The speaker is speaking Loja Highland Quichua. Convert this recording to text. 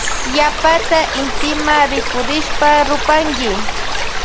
Yapata intima rikurishpa rupankimi.